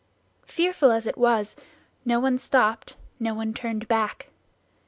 "Fearful as it was, no one stopped, no one turned back.